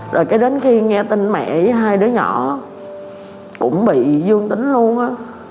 rồi cái đến khi nghe tin mẹ hai đứa nhỏ cũng bị dương tính luôn á